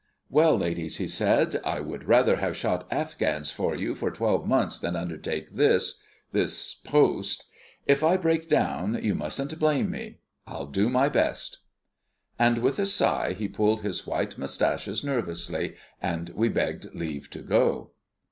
"Well, ladies," he said, "I would rather have shot Afghans for you for twelve months than undertake this this post. If I break down you mustn't blame me. I'll do my best." And with a sigh he pulled his white moustaches nervously, and we begged leave to go.